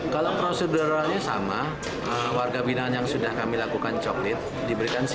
kalau prosedurannya sama warga binah yang sudah kami lakukan coklit diberikan c enam